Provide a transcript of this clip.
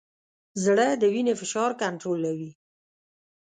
زړه د وینې فشار کنټرولوي.